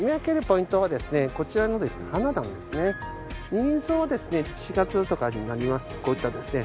ニリンソウはですね４月とかになりますとこういったですね